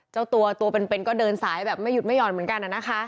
เจ้าตัวตัวเป็นก็เดินสายแบบไม่หยุดไม่ห่อนเหมือนกันนะคะ